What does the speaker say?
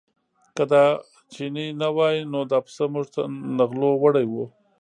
که دا چینی نه وای نو دا پسه موږ نه غلو وړی و.